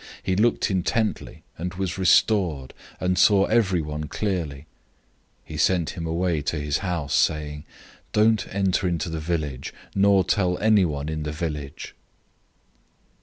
He looked intently, and was restored, and saw everyone clearly. 008:026 He sent him away to his house, saying, "Don't enter into the village, nor tell anyone in the village."